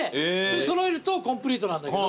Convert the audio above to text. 揃えるとコンプリートなんだけど。